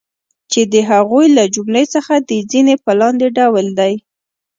چی د هغو له جملی څخه د ځینی په لاندی ډول دی